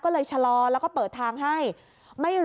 ก็เลยชะลอแล้วเปิดทางให้